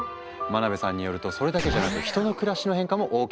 真辺さんによるとそれだけじゃなく人の暮らしの変化も大きいんだって。